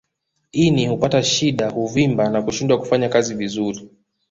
Ini hupata shida huvimba na kushindwa kufanya kazi vizuri